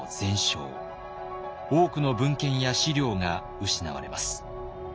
多くの文献や資料が失われます。